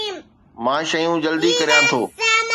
مان شيون جلدي ڪريان ٿو